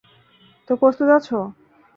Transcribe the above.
তো প্রস্তুত আছো?